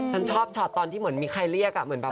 ฉันชอบช็อตตอนที่เหมือนมีใครเรียกอ่ะเหมือนแบบ